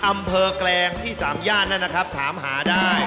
อำเภอแกลงที่สามย่านนั้นนะครับถามหาได้